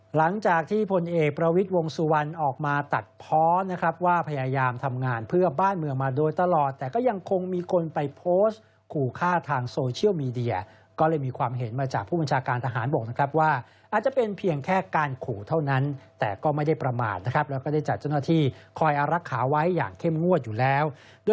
หลังจากที่พลเอกประวิทย์วงสุวรรณออกมาตัดเพาะนะครับว่าพยายามทำงานเพื่อบ้านเมืองมาโดยตลอดแต่ก็ยังคงมีคนไปโพสต์ขู่ฆ่าทางโซเชียลมีเดียก็เลยมีความเห็นมาจากผู้บัญชาการทหารบกนะครับว่าอาจจะเป็นเพียงแค่การขู่เท่านั้นแต่ก็ไม่ได้ประมาทนะครับแล้วก็ได้จัดเจ้าหน้าที่คอยอารักษาไว้อย่างเข้มงวดอยู่แล้วด้วย